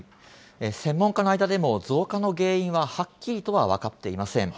専門家の間でも、増加の原因ははっきりとは分かっていません。